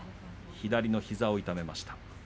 左の膝を痛めました。